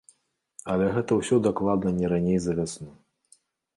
Але гэта ўсё дакладна не раней за вясну.